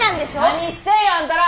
何してんやあんたら！